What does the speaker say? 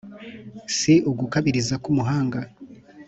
si ugukabiriza k' umuhanga